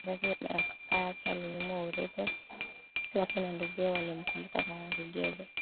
kifo cha wazazi na kaka yake alinyimwa urithi wake na nduguye waliomkumbuka kama kigego